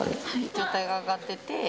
上体が上がってて。